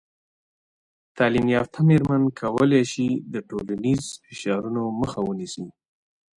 تعلیم یافته میرمنې کولی سي د ټولنیز فشارونو مخه ونیسي.